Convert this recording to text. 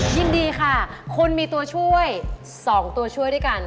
ยินดีค่ะคุณมีตัวช่วย๒ตัวช่วยด้วยกัน